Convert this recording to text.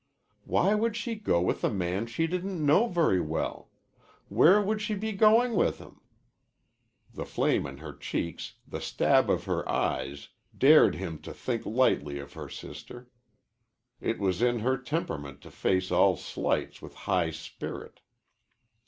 "Why would she go with a man she didn't know very well? Where would she be going with him?" The flame in her cheeks, the stab of her eyes, dared him to think lightly of her sister. It was in her temperament to face all slights with high spirit.